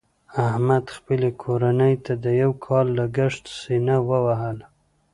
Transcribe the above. احمد خپلې کورنۍ ته د یو کال لګښت سینه ووهله.